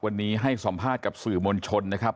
วันนี้ให้สัมภาษณ์กับสื่อมวลชนนะครับ